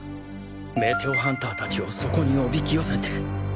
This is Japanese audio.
メテオハンター達をそこにおびき寄せて